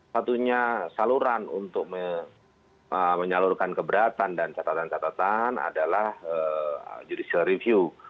satunya saluran untuk menyalurkan keberatan dan catatan catatan adalah judicial review